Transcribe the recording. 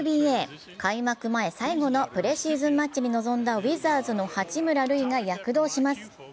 開幕前最後のプレシーズンマッチに臨んだウィザーズの八村塁が躍動します。